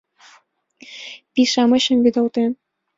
Пий-шамычшым вӱдалтен